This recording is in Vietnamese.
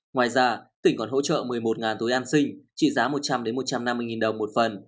ngoài ra tỉnh còn hỗ trợ một mươi một túi an sinh trị giá một trăm linh một trăm năm mươi đồng một phần